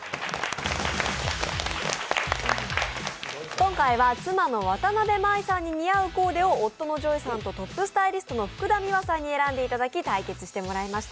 今回は妻のわたなべ麻衣さん似合うコーデを夫のＪＯＹさんとトップスタイリストの福田美和さんに選んでいただき対決してもらいました。